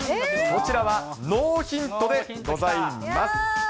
こちらはノーヒントでございます。